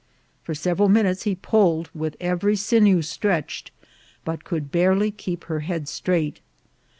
For several minutes he pulled, with every sinew stretched, but could barely keep her head straight.